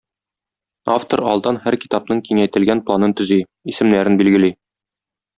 Автор алдан һәр китапның киңәйтелгән планын төзи, исемнәрен билгели.